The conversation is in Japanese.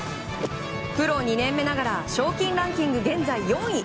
プロ２年目ながら賞金ランキング現在４位。